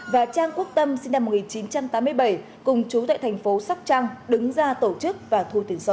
và trang quốc tâm sinh năm một nghìn chín trăm tám mươi bảy cùng chú tại thành phố sóc trăng đứng ra tổ chức và thu tiền sổ